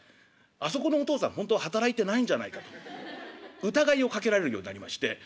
「あそこのお父さんほんとは働いてないんじゃないか」と疑いをかけられるようになりましてええ